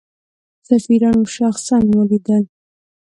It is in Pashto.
سفیران شخصا ولیدل.